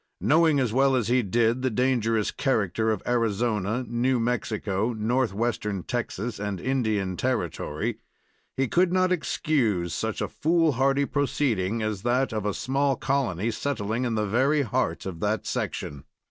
Knowing, as well as he did, the dangerous character of Arizona, New Mexico, Northwestern Texas and Indian Territory, he could not excuse such a foolhardy proceeding as that of a small colony settling in the very heart of that section.